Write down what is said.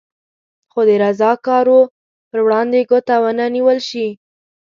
خو د رضاکارو پر وړاندې ګوته ونه نېول شي.